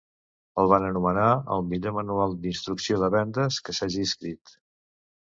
El van anomenar el millor manual d'instrucció de vendes que s'hagi escrit.